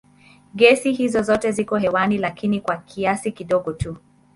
Gesi hizi zote ziko hewani lakini kwa kiasi kidogo tu.